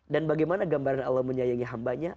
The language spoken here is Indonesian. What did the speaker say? dan bagaimana gambaran allah menyayangi hambanya